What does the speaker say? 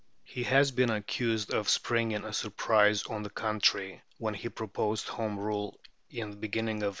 He has been accused of springing a surprise on the country when he proposed Home Rule in the beginning of 1886.